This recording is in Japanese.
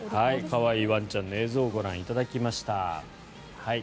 可愛いワンちゃんの映像をご覧いただきました。